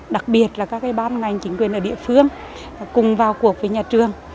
đặc biệt là các ban ngành chính quyền ở địa phương cùng vào cuộc với nhà trường